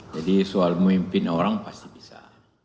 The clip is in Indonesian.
jadi soal memimpin orang pasti bisa